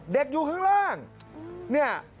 อยู่ข้างล่างเนี่ย